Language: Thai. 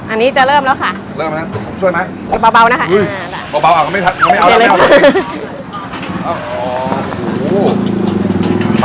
อันนี้จะเริ่มแล้วค่ะ